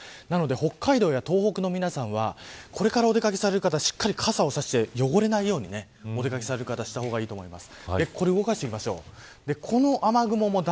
なので北海道や東北の皆さんはこれからお出掛けされる方はしっかりと傘を差して汚れないようにした方がいいと思います。